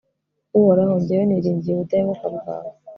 uhoraho, jyewe niringiye ubudahemuka bwawe